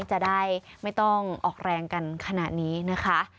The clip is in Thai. จะได้ไม่ต้องออกแรงกันขนาดนี้นะคะ